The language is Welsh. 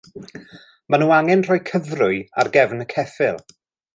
Maen nhw angen rhoi'r cyfrwy ar gefn y ceffyl.